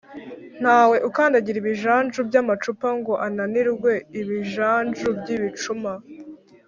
Ntawe ukandagira ibijanju by’amacupa ,ngo ananirwe ibijanju by’ibicuma